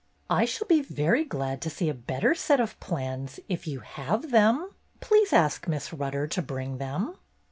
"I shall be very glad to see a better set of plans if you have them. Please ask Miss Rutter to bring them."